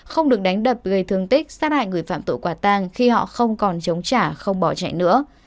không được đánh đập gây thương tích sát hại người phạm tội quả tang khi họ không còn chống trả không bỏ chạy nữa